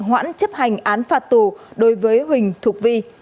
hoãn chấp hành án phạt tù đối với huỳnh thuộc vi